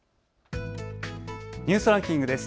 ニュースランキングです。